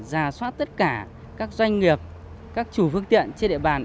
giả soát tất cả các doanh nghiệp các chủ phương tiện trên địa bàn